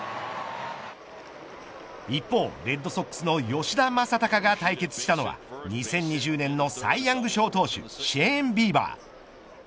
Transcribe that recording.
一方、レッドソックスの吉田正尚が対決したのは２０２０年のサイ・ヤング賞投手シェーン・ビーバー。